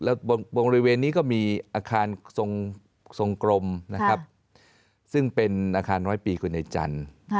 แล้วบริเวณนี้ก็มีอาคารทรงกรมนะครับซึ่งเป็นอาคารร้อยปีคือในจันทร์